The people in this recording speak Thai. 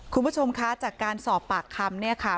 คุณผู้ชมคะจากการสอบปากคำ